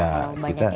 banyak yang meminta